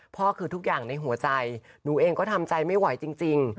ทุกอย่างคือทุกอย่างในหัวใจหนูเองก็ทำใจไม่ไหวจริง